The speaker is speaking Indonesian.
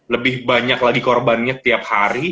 lebih banyak lagi korbannya tiap hari